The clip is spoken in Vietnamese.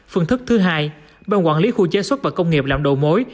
phương thức thứ hai bằng quản lý khu chế xuất và công nghiệp làm đầu mối